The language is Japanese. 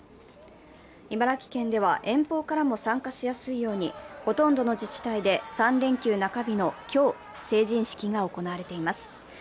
茨城県では遠方からも参加しやすいようにほとんどの自治体で３連休中日の今日成人式が行われています。